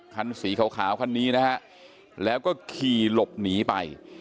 คันสีขาวคันนี้นะฮะแล้วก็ขี่หลบหนีไป